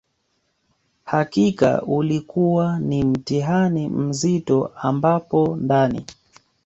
Hakika ulikua ni mtihani mzito ambapo ndani